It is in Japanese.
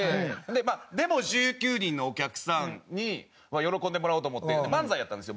まあでも１９人のお客さんには喜んでもらおうと思って漫才やったんですよ